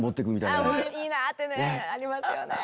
「いいな」ってねありますよね。